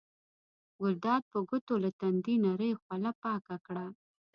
ګلداد په ګوتو له تندي نرۍ خوله پاکه کړه.